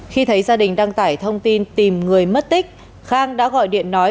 khi thấy gia đình đăng tải thông tin tìm người mất tích khang đã gọi điện nói